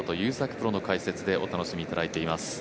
プロの解説でお楽しみいただいています。